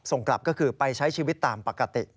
ส่งกลับก็คือไปใช้ชีวิตตามปกติ